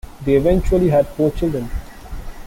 They eventually had four children.